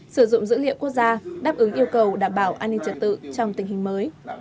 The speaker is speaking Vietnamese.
sử dụng dữ liệu quốc gia đáp ứng yêu cầu đảm bảo an ninh trật tự trong tình hình mới